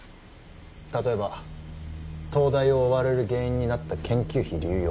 たとえば東大を追われる原因になった研究費流用